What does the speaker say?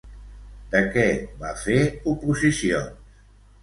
De què va fer oposicions?